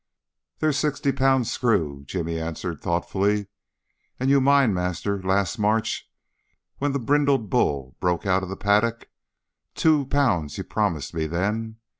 "There's sixty pound screw," Jimmy answers thoughtfully; "and you mind, master, last March, when the brindled bull broke out o' the paddock. Two pound you promised me then.